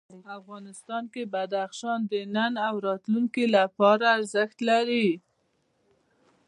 افغانستان کې بدخشان د نن او راتلونکي لپاره ارزښت لري.